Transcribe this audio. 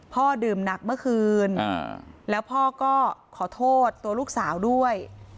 ดื่มหนักเมื่อคืนแล้วพ่อก็ขอโทษตัวลูกสาวด้วย